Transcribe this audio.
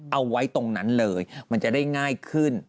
เอาไว้ตรงนั้นเลยมันจะได้ง่ายขึ้น